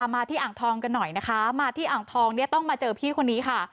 มาที่อ่างทองกันหน่อยนะคะมาที่อ่างทองเนี่ยต้องมาเจอพี่คนนี้ค่ะ